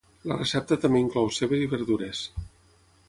La recepta també inclou cebes i verdures.